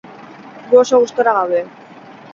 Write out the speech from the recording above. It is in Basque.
Gu oso gustura gaude.